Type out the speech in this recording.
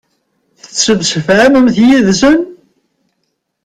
Tettemsefhamemt yid-sen?